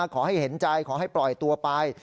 ขอให้เห็นใจขอให้ปล่อยตัวไป